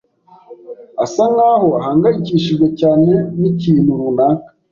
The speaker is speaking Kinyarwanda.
asa nkaho ahangayikishijwe cyane n'ikintu runaka.